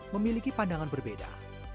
memiliki pandangan berbeda